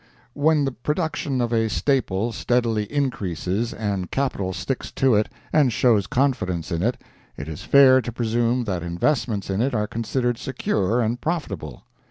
When the production of a staple steadily increases and capital sticks to it and shows confidence in it, it is fair to presume that investments in it are considered secure and profitable.